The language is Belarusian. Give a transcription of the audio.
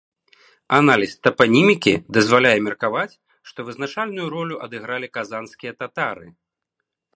Аналіз тапанімікі дазваляе меркаваць, што вызначальную ролю адыгралі казанскія татары.